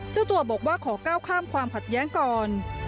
เจ้าตัวบอกว่าขอก้าวข้ามความขัดแย้งก่อน